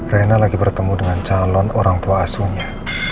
reina lagi bertemu dengan calon orang tua asunya